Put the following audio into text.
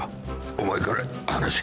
お前から話せ。